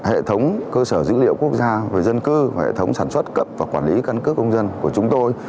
hệ thống cơ sở dữ liệu quốc gia về dân cư và hệ thống sản xuất cấp và quản lý căn cước công dân của chúng tôi